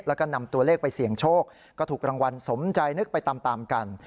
แล้วก็นำตัวเลขไปเสี่ยงโชคก็ถูกรางวัลสมใจนึกไปตามตามกัน